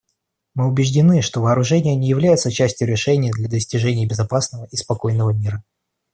Мы убеждены, что вооружения не являются частью решения для достижения безопасного и спокойного мира.